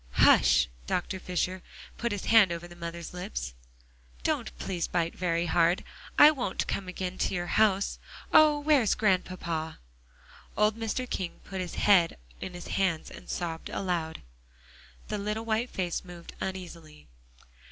"Hush!" Dr. Fisher put his hand over the mother's lips. "Don't please bite me very hard. I won't come up again to your house. Oh! where's Grandpapa?" Old Mr. King put his head on his hands, and sobbed aloud. The little white face moved uneasily.